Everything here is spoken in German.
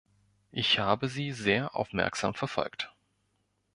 Ich habe sie sehr aufmerksam verfolgt.